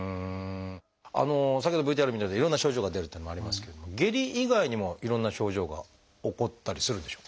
先ほどＶＴＲで見たようないろんな症状が出るというのもありますけれども下痢以外にもいろんな症状が起こったりするんでしょうか？